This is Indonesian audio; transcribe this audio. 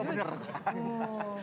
oh bener kan